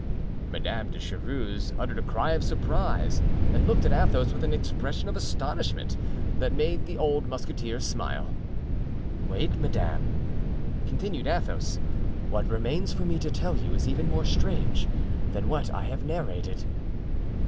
Madame de Chevreuse uttered a cry of surprise, and looked at Athos with an expression of astonishment that made the old musketeer smile. "Wait, madame," continued Athos, "what remains for me to tell you is even more strange than what I have narrated."